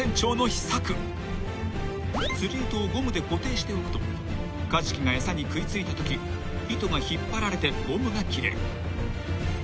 ［釣り糸をゴムで固定しておくとカジキが餌に食い付いたとき糸が引っ張られてゴムが切れる］